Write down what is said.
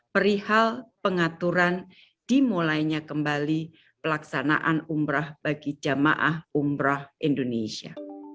perihal pengaturan dimulainya kembali pelaksanaan umrah bagi jamaah umroh indonesia